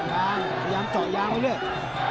พยายามเจาะยางไปด้วย